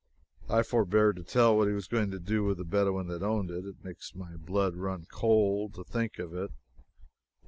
I forbear to tell what he was going to do to that Bedouin that owned it. It makes my blood run cold to think of it.